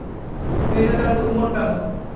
মেয়ে-জাতের এত গুমর কেন?